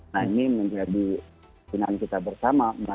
nah ini menjadi pilihan kita bersama